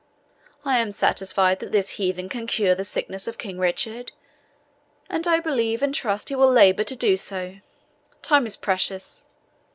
I am satisfied that this heathen can cure the sickness of King Richard, and I believe and trust he will labour to do so. Time is precious.